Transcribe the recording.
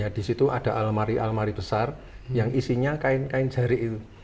di situ ada almari almari besar yang isinya kain kain jari itu